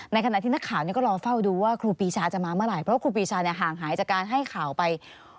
ขณะที่นักข่าวก็รอเฝ้าดูว่าครูปีชาจะมาเมื่อไหร่เพราะว่าครูปีชาห่างหายจากการให้ข่าวไป